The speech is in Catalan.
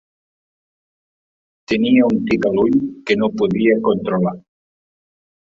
Tenia un tic a l'ull que no podia controlar.